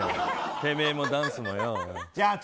てめえもダンスもよ。